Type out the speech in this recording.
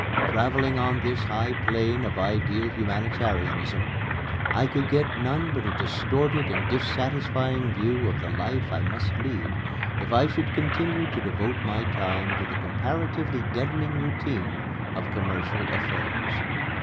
Travelling on this high plane of ideal humanitarianism, I could get none but a distorted and dissatisfying view of the life I must lead if I should continue to devote my time to the comparatively deadening routine of commercial affairs.